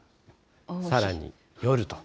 さらに夜と。